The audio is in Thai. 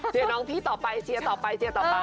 เชียร์น้องพี่ต่อไปเชียร์ต่อไป